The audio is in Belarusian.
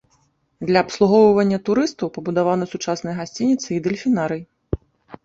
Для абслугоўвання турыстаў пабудаваны сучасныя гасцініцы і дэльфінарый.